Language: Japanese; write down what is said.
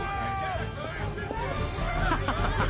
ハハハハ。